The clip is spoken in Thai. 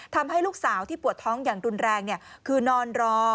ทำให้ลูกสาวที่ปวดท้องอย่างรุนแรงคือนอนรอ